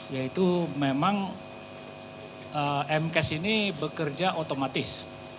yaitu memang mkes ini bekerja otomatis